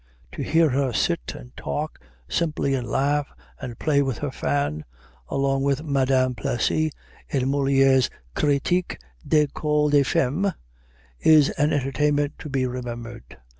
To hear her sit and talk, simply, and laugh and play with her fan, along with Madame Plessy, in Moliere's "Critique de l'École des Femmes," is an entertainment to be remembered.